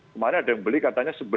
kemarin ada yang beli katanya